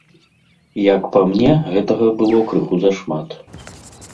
Як па мне, гэтага было крыху зашмат.